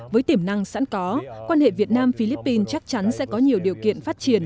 với tiềm năng sẵn có quan hệ việt nam philippines chắc chắn sẽ có nhiều điều kiện phát triển